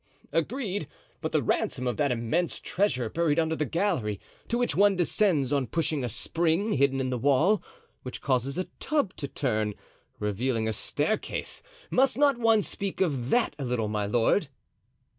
"Agreed; but the ransom of that immense treasure buried under the gallery, to which one descends on pushing a spring hidden in the wall, which causes a tub to turn, revealing a staircase—must not one speak of that a little, my lord?"